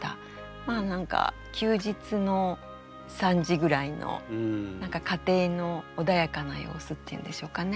まあ何か休日の３時ぐらいの何か家庭の穏やかな様子っていうんでしょうかね